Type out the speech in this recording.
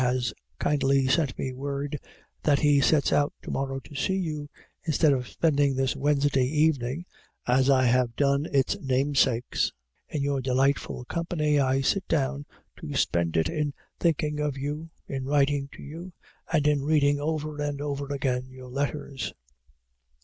has kindly sent me word that he sets out to morrow to see you, instead of spending this Wednesday evening, as I have done its namesakes, in your delightful company, I sit down to spend it in thinking of you, in writing to you, and in reading over and over again your letters.